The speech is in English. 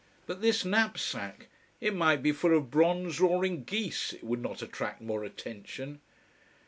But this knapsack! It might be full of bronze roaring geese, it would not attract more attention!